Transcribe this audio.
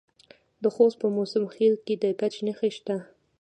د خوست په موسی خیل کې د ګچ نښې شته.